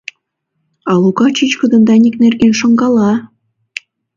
А Лука чӱчкыдын Даник нерген шонкала!